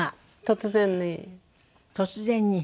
突然に？